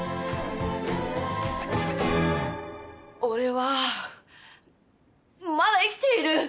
「俺はまだ生きている」